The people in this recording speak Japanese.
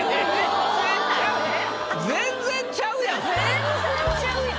全然ちゃうやん。